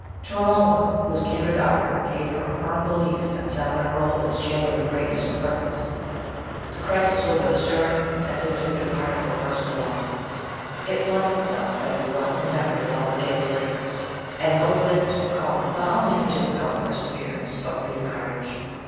To Romola, whose kindred ardour gave her a firm belief in Savonarola's genuine greatness of purpose, the crisis was as stirring as if it had been part of her personal lot. It blent itself as an exalting memory with all her daily labours; and those labours were calling not only for difficult perseverance, but for new courage.